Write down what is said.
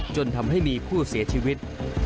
จนทำให้มีผู้เสียชีวิต